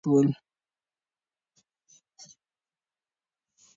ابدالي قبایل د اسدالله خان پر شاوخوا راټول شول.